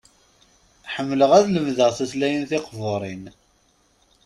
Ḥemmleɣ ad lemdeɣ tutlayin tiqburin.